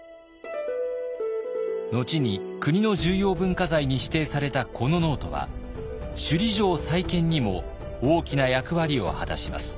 後に国の重要文化財に指定されたこのノートは首里城再建にも大きな役割を果たします。